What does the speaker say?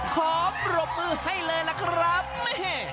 ขอปรบมือให้เลยล่ะครับแม่